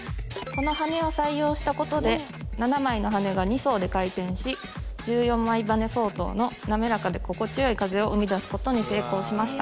この羽根を採用したことで７枚の羽根が２層で回転し１４枚羽根相当の滑らかで心地よい風を生み出すことに成功しました